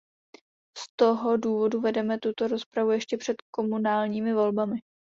Z toho důvodu vedeme tuto rozpravu ještě před komunálními volbami.